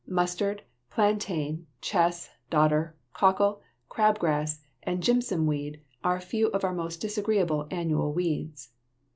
Mustard, plantain, chess, dodder, cockle, crab grass, and Jimson weed are a few of our most disagreeable annual weeds.